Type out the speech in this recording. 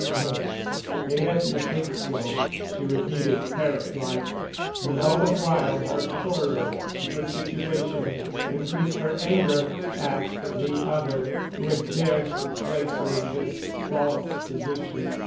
"Yes. He let me think so," she repeated, parrot like. And all the while her horror of her situation increased—her anger at "the other" who had dared to place her in this false position.